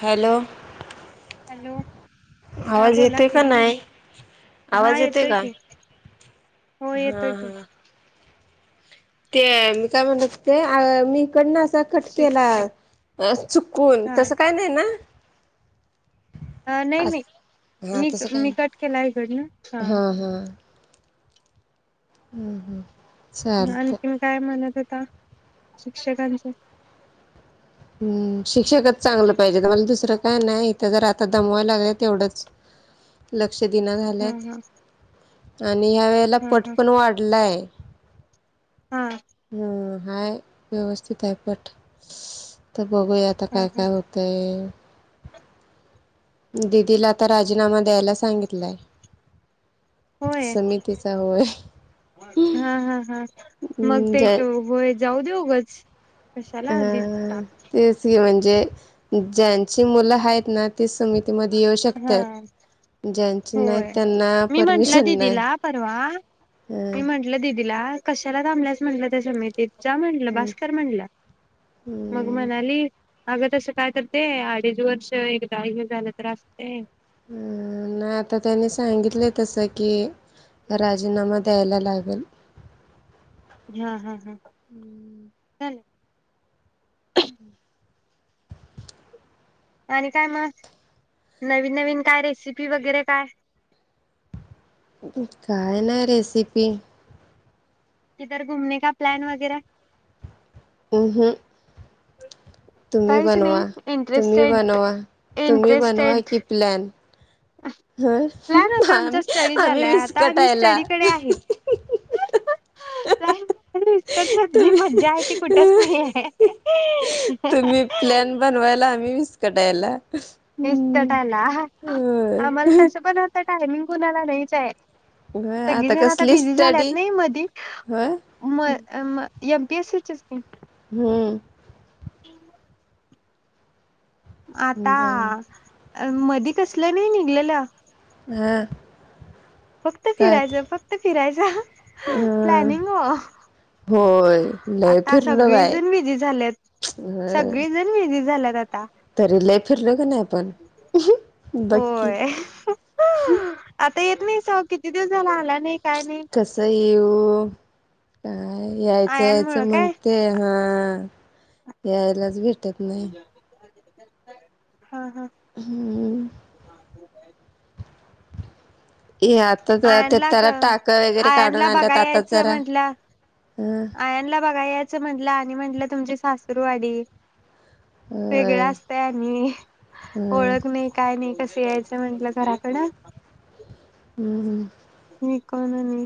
Hello. Hello. हा आवाज बोला येते का की नाही हा आवाज येते येतोय का की हो हा येतोय की ते मी काय म्हणतात ते अ मी कडनं असा कट केला शिक्षण चुकून तसं काय नाही ना. ह नाही अस नाही हा तसं मी काय मी नाही. कट केला आहे इकडं हा [inaudible] हा चालतय आणखीन काय म्हणत हो का शिधकांच हम्म शिक शिकतचांगलं पाहिजेत आम्हाला दुसरं काय नाही इथं जरा आ दमवायला लागले तेवढंच क्ष दिनां हा झाल्यात. हा [inaudible] आणि मी या वेळेला हा पट हा पण वाढलाय हा हम् हाय व्यवस्थित आहे पट बघूया आता हा काय हा काय होत आहे. दिदीला आता राजीनामा द्यायला सांगितलाय होय समितीचा होय. हा हा अम्म जय जाऊदे ऊगच हम्म हम्म तेच की म्हण जे ज्यांची मुलं हायत ना ते समितीमध्ये येऊ हा शकत्यात ज्यांची नाही होय त्यांना मी म्हंटलं परमिशन नाही दिदीला परवा अ मी म्हंटलं दिदीला कशाला थांबल्यास म्हटलं त्या समितीत जा म्हणलं बास कर म्हणलं. मग हम्म म्हणाली अगं तसं काय कर ते अडीच वर्ष एकदा हे झालं तर असतंय हम्म नाही आता त्यांनी सांगितलंय तसं की राजीनामा द्यायला लागल. हम्म. हम्म. हम. ले [unintelligible] आणि काय मग नवीन-नवीन काय रेसिपी वगैरे काय? काय नाही रेसिपी इधर घुमने का प्लॅन वगैरे? उ्ह तुम्ही काहीच नाही बनवा तुम्ही इंटरेस्टेड बनवा तुम्ही बनवा कि प्लॅन. ह लान होता आमचा आम्ही स्टडी आम्ही चालाय आता आम्ही विस्कटायला स्टडीकडे आहे जी तुम्ही मज्जा आहे ती कुठच नाही आहे कडायला इस् तटला होय आमल तसं पण आता टायमिंग कुणाला नाहीच आहे. होय सगळे जण आता कसली बिझी स्टडी झाल्यात नाही मधी होय म म एमपीएसी एक हम्म [unintelligible] आता मध कसलं नाही निघलेल ह फक्त फिरायचं फक्त फिरायचं अ प्लॅनिंग हो. होय लय आता फिरलं बाय सगळेजण बिझी झालेत ह सगळेजण बिझी झाल्यात आता तरी लय फिरल का नाही आपण बघ की. ते येत नाही स किती दिवस झाला आला नाही. त्यानी की -ऊ -का काय यायचं आयन मुळ यायचं काय म्हणते हा. यायलाच भेट [unintelligible] [unintelligible] हा हा. हम्म ये आता जरा ते आयांनला ग त्याला टाक वगैरे काढून आयानला आणल्यात बघाया आताच यायचं जरा म्हंटला हं आयानला बघाय यायचं म्हनलं आणि म्हणलं तुमचे सास रुवाडी. वेगळं होय असतय आणि हं ओळख नही काय नही कशे यायचं म्हंटलं घरात. कडा हम्! मी कोणं नही.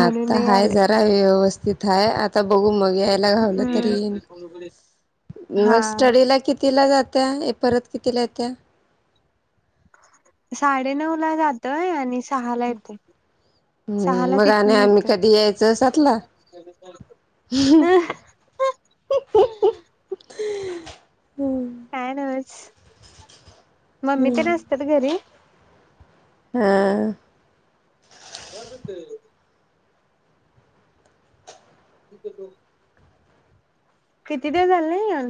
आता हा जरा व्यवस तिथ आहे आत ता बघू मग यायला घावलं तर हम्म येईन हा म स्टडीला कित तीला जात्या ये परत कितीला येत्या? साडेनऊ ला जातोय आणि स ह हम्म मग आणि तिथून आम्ही निघतोय. कधी यायचं सातला? पॅनच मम्मी तर नसत्यात घरी हा. [unintelligible] [inaudible] किती ते झाले या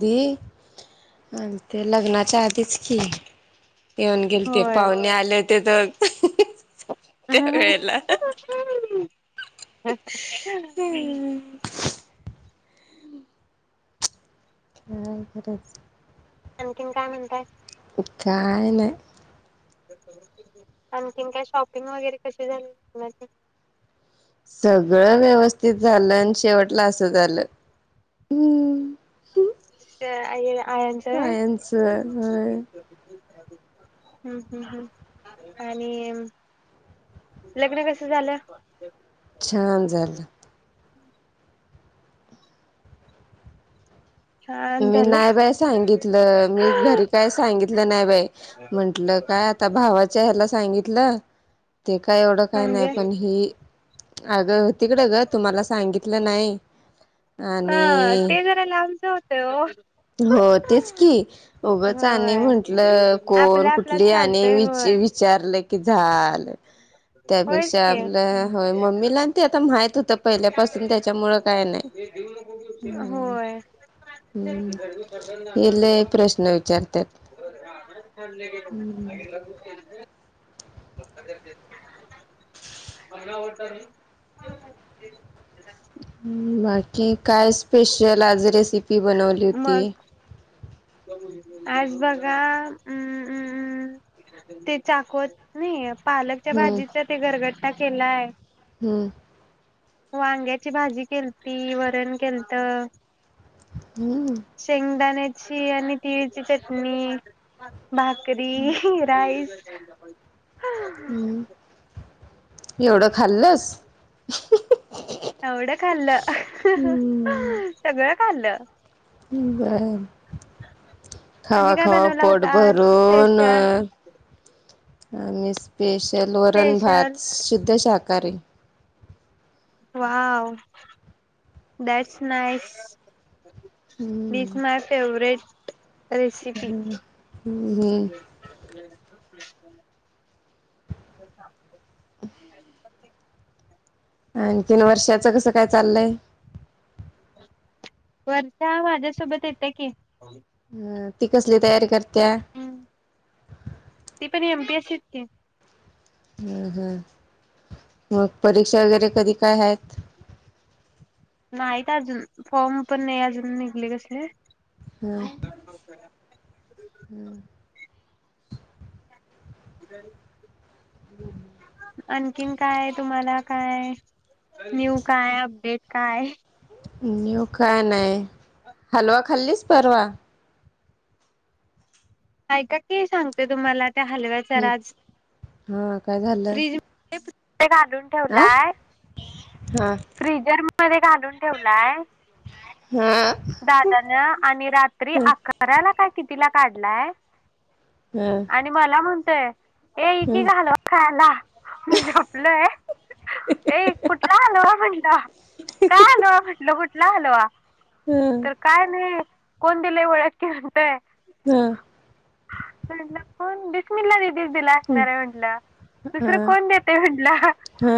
दी अन ते लग्नाच्या आधीच की येऊन गेलते होय. पावणे आलेत ते तर त्या वेळेला [inaudible] हा खरंच अनकीन काय मंताय? काय नाय? आणखीन काय शॉपिंग वगैरे कशी झाली तुमची? सगळं व्यवस्थित झालं अन् शेवटला असं झालं श आययेला आयांच सायन्स होय हम्म हम्म हम्म आणि लग्न कस झालं? छान झाल. [inaudible] छान मी झालं नाही बाई सांगितलं मी घरी काय सांगितलं नाही बाई म्हंटलं काय आता भावाच्या ह्याला सांगितलं ते काय एवढं काय नाही म्हणजे पण ही अगं तिकडं ग तुम्हाला सांगितलं नाही ह आणि ते जरा लांबच होत हो तेच की उगाच आणि होय म्हंटलं कोण आपला आपलाच कुठली आणि चालतय विच होय. विचारलं की झाल. होयच त्यापेक्षा की. आपलं होय मम्मीला ते आता माहित होतं पहिल्यापासून त्याच्यामुळं काय नाही. हम्म होय. हम्म हे लय प्रश्न विचारतात. [unintelligible] [inaudible] [inaudible] बाकी काय स्पेशल आज रे रेसिपी बनवली होती? मग आज बघा हम्म हम्म ते चाकवत नाही पालकच्या हम्म भाजीच ते घरगट केलाय. हम्म वांग्याची भाजी केलती. वरण केलत. हम्म शेगदान्या ची आणि तळची चटणी. भाकरी राईस [unintelligible] हा ह हम्म [unintelligible] एवढं खाल्लंस. एवढं खाल्लं हम्म सगळं. खाल्ल. बर तुम्ही काय खावा-खावा बनवला पोट होता आज भरून. स्पेशल आणि स्पेश तेल स्पेशल वरण-भात शुद्ध शाका काररे [unintelligible] वा दटस नाईस [unintelligible] हम्म दिस माय फेवररेट. [unintelligible] रेसिपी. हम्म हम्म [inaudible] [inaudible] आणखीन वर्षाच कसं काय चाललंय? वर्षा माझ्यासोबत येत्या की. हं ती कसली तयारी कर हम्म. ती पण एम. पी. एस सी ची. की. हम. हम. मग परीक्षा वगैरे कधी काय हाईत. नाहीत अजून, फॉर्म पण नाही अजून निघले. कसले. हम् हम्म. [unintelligible] [inaudible] आणखीन काय तुम्हाला काय न्यू काय अपडेट काय? न्यू काय नाही, हलवा खाल्लीस परवा? ऐका की सांगते तुम्हाला त्या हलव्याचा हं राज हा काय झालं फ्रीज [unintelligible] ध्ये घालून आ ठेवलाय हा फ्रीजर म मध्ये घालून ठेवलाय हा दादानं आणि रात्री ह अकराला काय कितीला काढलाय ह आणि मला म्हण तय ए ह येकी ह ग हलवा खायला, मी झोपलोय, ए कुठंला हलवा म्हटलं काय हलवा म्हटलं कुठ कुठला हलवा ह ह तर काय नाही कोण दिलेय ओळक की म्हणतय. हा. म्हटलं कोण बिस्मिला दी दी नीच दिला असणार आहे म्हंटल दुसर कोण देतय म्हंटल, ह ह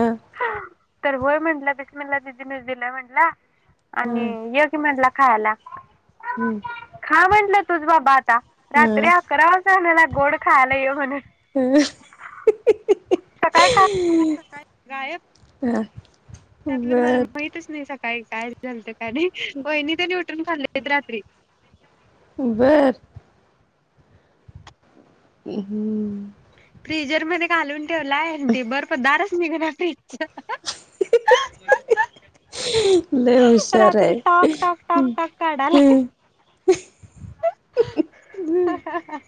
तर होय म्हंटलं बिस्मिला दिदीनीच दिलाय म्हटला. आणि ह ये की म्हटला खायला खा म्हंटल तुच बाबा आ ता रात्री अकरा वाजण्याला गोड खायला ये म्हणून सकाळ का सकाळ गायब त्यातलं मला बर माहितच नाही सकाळ काय काय झालते वहिनी त्यांनी लुटून काढलेत रात्री बर हम्म हू फ्रिजर मध्ये घालून ठेवला आहे ते बर्फ दारच निघना [unintelligible] लय हुशार रात्री आहे टॉक टाॉक टॉक टाक काढालाय हा हा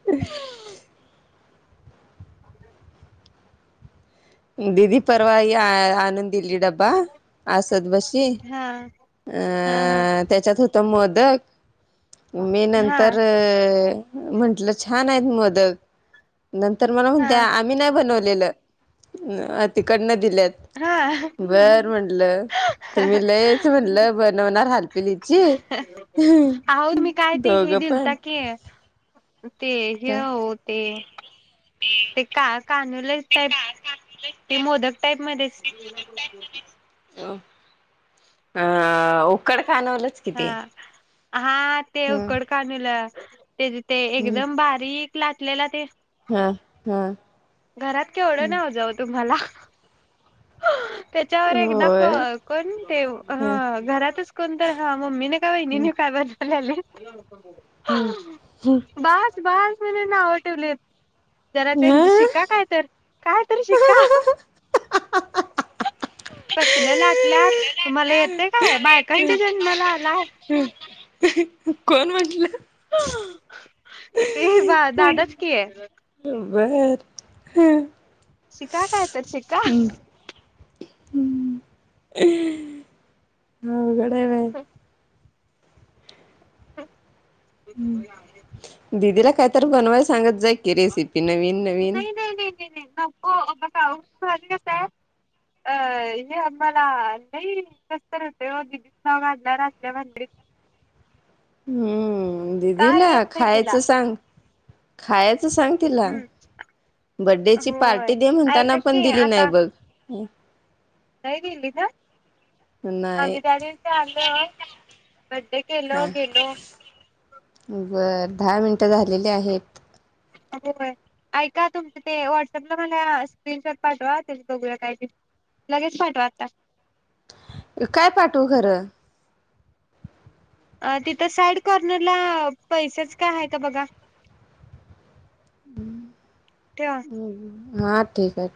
[unintelligible] दीदी परवा हे ये आणून दिली डबा असत बशी हा अ हा हा त्याच्यात होते तर मोदक मी हा नंतर म्हटलं छान आहेत मोदक मोदक नंतर मला म्हणते हा आम्ही नाही बनवले [unintelligible] दिले हा बर म्हटलं तुम्ही लयच म्हणलं बनवणार. हाल पलीची काय ते हे दिल की ते हे काय हो ते. ते का कानोले टाईप ते मोदक टाईप मध्ये [unintelligible] हो. हा. अ उक्कड कानवले की हा ते हा ते उकड कानवले. ते ते हम् एकदम बारीक लाटलेला ते. हा हम्. घरात केवढं नव जाऊ तुम्हाला हो. त्याच्यावर एक द होय कोण ते ह घरातच कोण तर मम्मीने का बहिणीने काय बजालेले ह [inaudible] हम्म, हम्. मिनिट ना नावं ठेवले. जरा त्यांच शिक. ह तर काय तर शिका. बसलं लाटल्यात तुम्हाला येते काय बायकांच्या जन्माला आलाय. कोण म्हटलं? ते बा, दादाच कि आहे. वर शिका काय तर शिका. अवघड आहे बाई ह [inaudible] हम [inaudible] हम्.. दिदीला काय तर बनवाय सांगत जा? रेसिपी नवीन- नवीन. का कस आहे अ हे आ मला नाही कसंतरी होत अगीदी नाव घांडणारल्या भंडीत [inaudible] हम्म. दिदीला येत नाही तिला खायचं सांग. खायच तू सांग तिला, हम्म. बड्डेची होय पार्टी दे म्हणताना ऐका पण की दिली नाही बघ. [unintelligible] काय गेली का? नाही आम्ही, त्या दिवशी आलो बडडे केलो हा गेलो. बर, दहा मिनट- झालेले आहेत. हो ऐका तुमचं ते व्हॉट्सअपला मला स्क्रीनशॉट पाठवा ते बघूया काय ते, लगेच पाठवा आता. काय पाठव खरं? अ तिथं साईड कॉर्नरला पैसेच काय आहे का बघा. हम ठेवा. हम्. हां.. ठीक आहे.